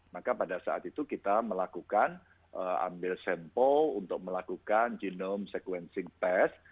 maka pada saat itu kita melakukan ambil sampel untuk melakukan genome sequencing test